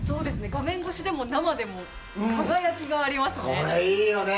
画面越しでも生でも、輝きがありますね。